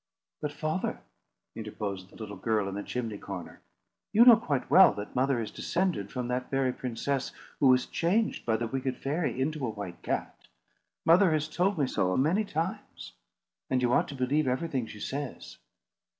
"But, father," interposed the little girl in the chimney corner, "you know quite well that mother is descended from that very princess who was changed by the wicked fairy into a white cat. Mother has told me so a many times, and you ought to believe everything she says."